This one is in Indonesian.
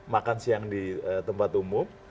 makan siang di tempat umum